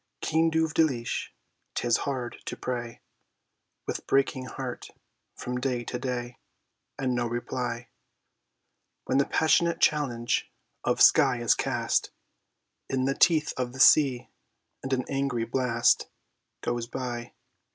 Cean duv deelish, 'tis hard to pray With breaking heart from day to day, And no reply; When the passionate challenge of sky is cast In the teeth of the sea and an angry blast Goes by.